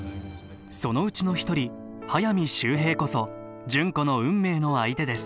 そのうちの一人速水秀平こそ純子の運命の相手です